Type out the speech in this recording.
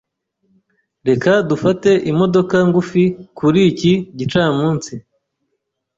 Reka dufate imodoka ngufi kuri iki gicamunsi.